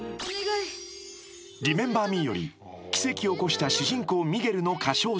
［『リメンバー・ミー』より奇跡を起こした主人公ミゲルの歌唱シーン］